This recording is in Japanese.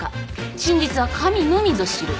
真実は神のみぞ知る。